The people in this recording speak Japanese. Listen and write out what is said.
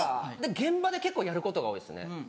現場で結構やることが多いですね。